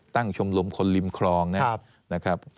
ตั้งชมรมคนริมครองนะครับ